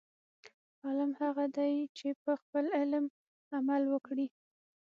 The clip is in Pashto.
عالم هغه دی، چې په خپل علم عمل وکړي.